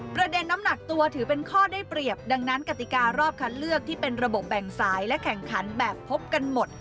น้ำหนักตัวถือเป็นข้อได้เปรียบดังนั้นกติการรอบคัดเลือกที่เป็นระบบแบ่งสายและแข่งขันแบบพบกันหมด